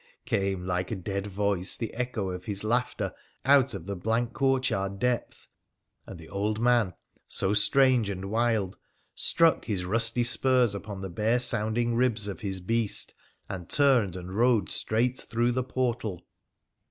' came, like a dead voice, the echo of his laughter out pf the blank courtyard depth, and the old man, so strange 266 WONDERFUL ADVENTURES OF and wild, struck his rusty spurs upon the bare sounding ribs of his beast and turned and rode straight through the portal.